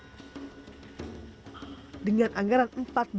mereka bisa menjaga keamanan dengan kekuatan yang sangat tinggi